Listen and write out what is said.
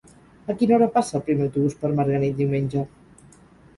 A quina hora passa el primer autobús per Marganell diumenge?